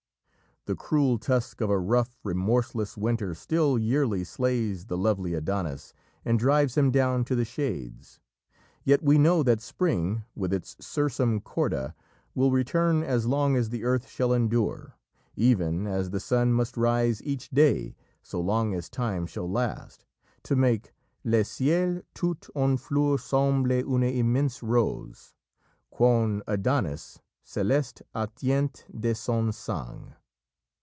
The cruel tusk of a rough, remorseless winter still yearly slays the "lovely Adonis" and drives him down to the Shades. Yet we know that Spring, with its Sursum Corda, will return as long as the earth shall endure; even as the sun must rise each day so long as time shall last, to make "Le ciel tout en fleur semble une immense rose Qu'un Adonis céleste a teinte de son sang."